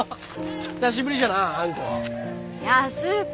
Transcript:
久しぶりじゃなああんこ。